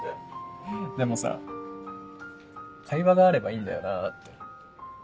でもさ会話があればいいんだよなぁって。